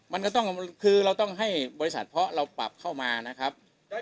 มันก็ต้องคือเราต้องให้บริษัทเพราะเราปรับเข้ามานะครับ